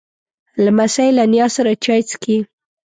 لمسی له نیا سره چای څښي.